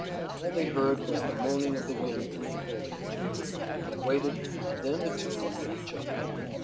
All they heard was the moaning of the wind through the foliage. They waited, and then the two looked at each other.